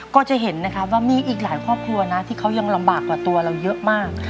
ก็จะเห็นนะครับว่ามีอีกหลายครอบครัวนะที่เขายังลำบากกว่าตัวเราเยอะมาก